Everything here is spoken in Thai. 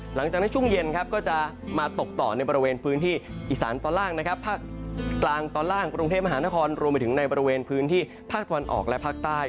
หลังจากนั้นช่วงเย็นครับก็จะมาตกต่อในบริเวณพื้นที่อีสานตอนล่างนะครับภาคกลางตอนล่างกรุงเทพมหานครรวมไปถึงในบริเวณพื้นที่ภาคตะวันออกและภาคใต้